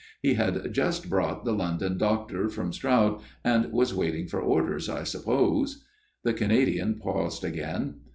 He had just brought the London doctor from Stroud and was waiting for orders, I suppose." The Canadian paused again.